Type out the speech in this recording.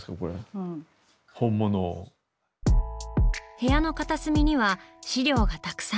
部屋の片隅には資料がたくさん。